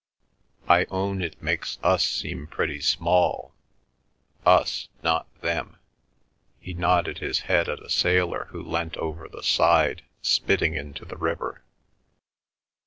"I own it makes us seem pretty small—us, not them." He nodded his head at a sailor who leant over the side spitting into the river.